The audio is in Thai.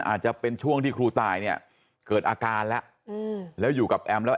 อาจจะเป็นช่วงที่ครูตายเนี่ยเกิดอาการแล้วแล้วอยู่กับแอมแล้ว